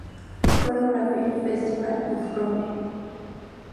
Photography Festival of Rome.